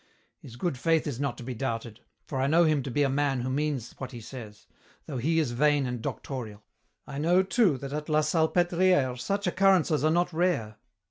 His good faith is not to be doubted, for I know him to be a man who means what he says, though he is vain and doctorial. I know, too, that at La Salpêtrière such occurrences are not rare.